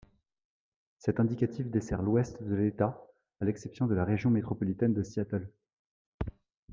Cet indicatif dessert l'Ouest de l'État à l'exception de la région métropolitaine de Seattle.